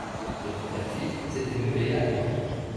Les premières tuiles étaient moulées à la main.